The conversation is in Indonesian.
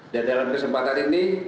dalam kesempatan ini